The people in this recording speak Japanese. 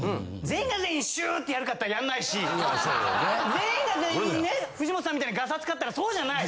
全員が全員「シュー」ってやるかっていったらやんないし全員が全員ね藤本さんみたいにガサツかったらそうじゃない。